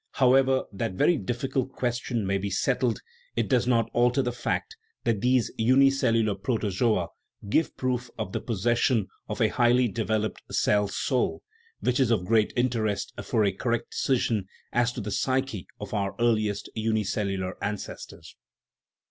How ever that very difficult question may be settled, it does not alter the fact that these unicellular protozoa give proof of the possession of a highly developed "cell soul," which is of great interest for a correct decision as to the psyche of our earliest unicellular ancestors.